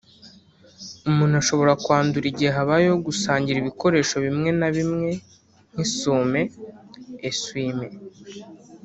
umuntu ashobora kwandura igihe habayeho gusangira ibikoresho bimwe na bimwe nk’isume (essui- mains)